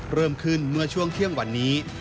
เริ่มขึ้นเมื่อช่วงเที่ยงวันนี้